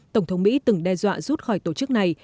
tổng thống mỹ từng đe dọa rút khỏi tổ chức này